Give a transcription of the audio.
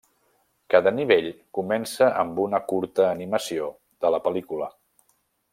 Cada nivell comença amb una curta animació de la pel·lícula.